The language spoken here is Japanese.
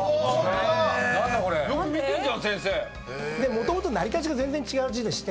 もともと成り立ちが全然違う字でして。